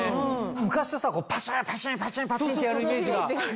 昔はさパチンパチンパチンパチンってやるイメージが。